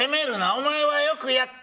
お前はよくやった。